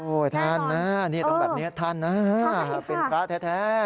ท่านนะนี่ต้องแบบนี้ท่านนะเป็นพระแท้